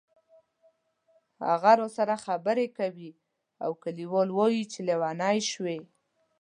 هغه راسره خبرې کوي او کلیوال وایي چې لیونی شوې.